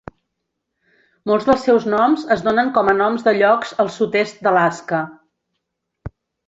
Molts dels seus noms es donen com a noms de llocs al sud-est d'Alaska.